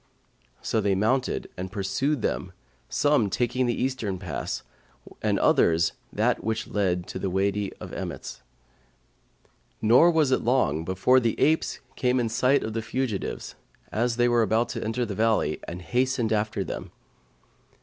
So they mounted and pursued them, some taking the eastern pass and others that which led to the Wady of Emmets, nor was it long before the apes came in sight of the fugitives, as they were about to enter the valley, and hastened after them.